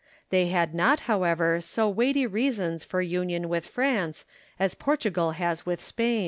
They had not, however, so weighty reasons for union with France, as Portugal has with Spain.